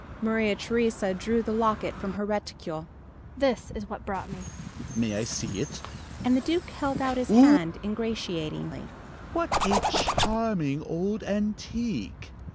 Maria Theresa drew the locket from her reticule. "This is what brought me." "May I see it?" and the Duke held out his hand, ingratiatingly. "What a charming old antique!"